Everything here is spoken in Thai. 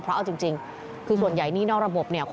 เพราะเอาจริงคือส่วนใหญ่หนี้นอกระบบเนี่ย